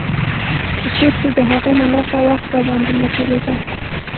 په کور کښې د هغې له لاسه وخت راباندې نه تېرېده.